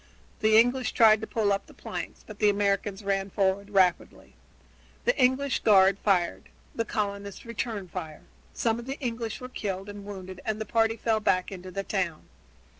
The English tried to pull up the planks, but the Americans ran forward rapidly. The English guard fired; the colonists returned the fire. Some of the English were killed and wounded and the party fell back into the town.